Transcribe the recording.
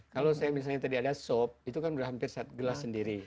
kalau saya misalnya tadi ada sop itu kan sudah hampir satu gelas sendiri